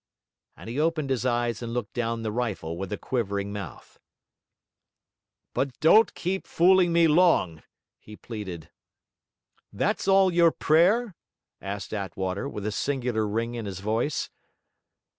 And he opened his eyes and looked down the rifle with a quivering mouth. 'But don't keep fooling me long!' he pleaded. 'That's all your prayer?' asked Attwater, with a singular ring in his voice.